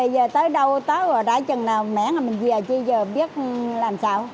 giờ tới đâu tới rồi đã chừng nào mẻ mình về chứ giờ biết làm sao